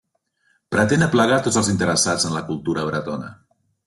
Pretén aplegar tots els interessats en la cultura bretona.